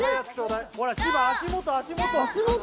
ほら芝足元足元足元？